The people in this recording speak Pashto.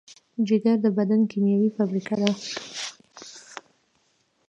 جگر د بدن کیمیاوي فابریکه ده.